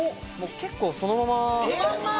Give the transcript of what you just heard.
結構そのまま。